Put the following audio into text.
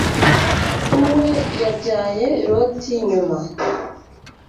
we yabyaye loti nyuma